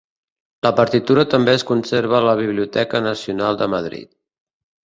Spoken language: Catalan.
La partitura també es conserva a la Biblioteca Nacional de Madrid.